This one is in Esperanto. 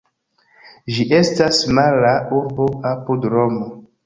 Ĝi estas mara urbo apud Romo.